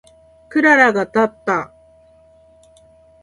クララがたった。